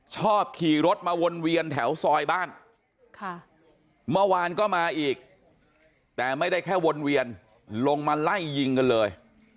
ชอบขี่รถมาวนเวียนแถวซอยบ้านเมื่อวานก็มาอีกแต่ไม่ได้แค่วนเวียนลงมาไล่ยิงกันเลย